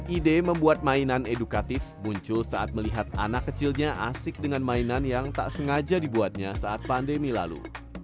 ide membuat mainan edukatif muncul saat melihat anak kecilnya asik dengan mainan yang tak sengaja dibuatnya saat pandemi lalu